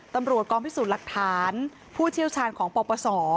ตำรวจกองพิสูจน์หลักฐานผู้เชี่ยวชาญของปปศ